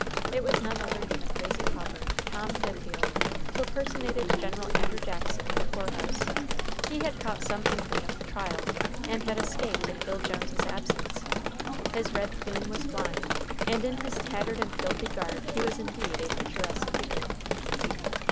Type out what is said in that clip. It was none other than the crazy pauper, Tom Bifield, who personated General Andrew Jackson in the poor house. He had caught some inkling of the trial, and had escaped in Bill Jones's absence. His red plume was flying, and in his tattered and filthy garb he was indeed a picturesque figure.